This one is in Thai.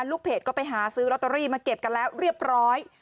ลูกเพจก็ไปหาซื้อลอตเตอรี่มาเก็บกันแล้วเรียบร้อย